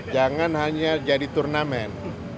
jangan hanya jadi turnamen